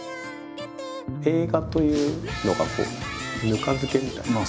映画というのがぬか漬けみたいな。